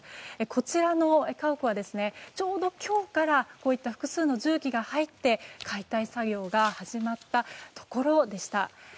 こちらの家屋はちょうど今日からこういった複数の重機が入って解体作業が始まったところでした。